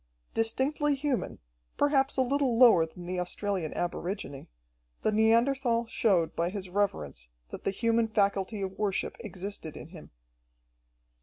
Distinctly human, perhaps a little lower than the Australian aborigine, the Neanderthal showed by his reverence that the human faculty of worship existed in him.